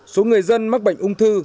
số người dân mắc bệnh ung thư